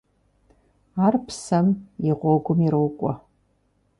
Ар псэм и гъуэгум ирокӀуэ.